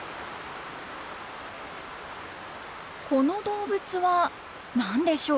この動物は何でしょう？